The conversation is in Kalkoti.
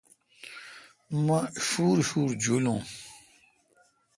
مہ شوُرشوُر جولون۔